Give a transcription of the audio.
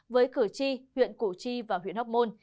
với cử tri huyện củ chi và huyện hóc môn